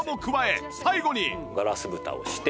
ガラス蓋をして。